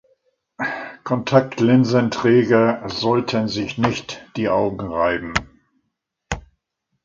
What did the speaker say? Kontaktlinsenträger sollten sich nicht die Augen reiben.